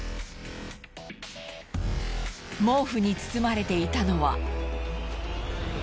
毛布に包まれていたのは。